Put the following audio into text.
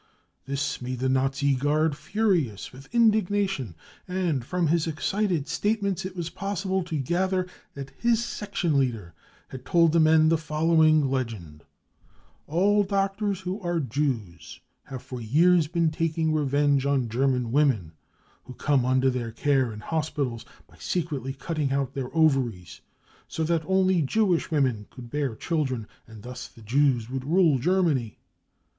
This made the Nazi guard furious with indignation, and from his excited statements it was possible to gather that his | section leader had told the men the following legend : I all doctors who are Jews have for years been taking f revenge on German women who come under their care in hospitals by secretly cutting out their ovaries, so that only Jewish women could bear children and thus the Jews would rule Germany.